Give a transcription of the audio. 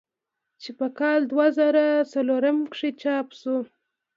چې پۀ کال دوه زره څلورم کښې چاپ شو ۔